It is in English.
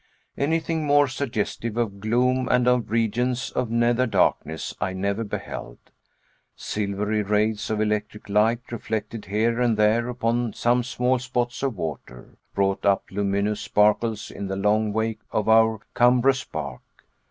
Anything more suggestive of gloom and of regions of nether darkness I never beheld. Silvery rays of electric light, reflected here and there upon some small spots of water, brought up luminous sparkles in the long wake of our cumbrous bark.